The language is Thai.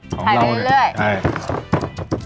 ของเราเลยใช่ถ่ายเรื่อยค่ะ